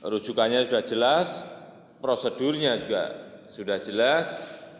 rujukannya sudah jelas prosedurnya juga sudah jelas